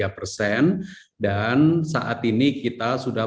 lima puluh empat tiga persen dan saat ini kita sudah